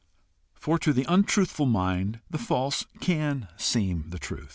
For to the untruthful mind the false CAN seem the true.